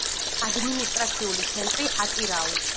ადმინისტრაციული ცენტრი ატირაუ.